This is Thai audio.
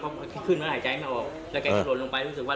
ก็ขึ้นแล้วหายใจไม่ออกแล้วแกโดดลงไปรู้สึกว่า